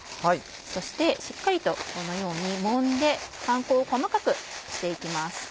そしてしっかりとこのようにもんでパン粉を細かくして行きます。